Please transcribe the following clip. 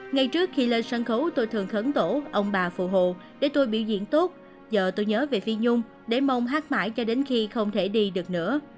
ngay trước khi lên sân khấu tôi thường khấn tổ ông bà phụ hộ để tôi biểu diễn tốt giờ tôi nhớ về phi nhung để mong hát mãi cho đến khi không thể đi được nữa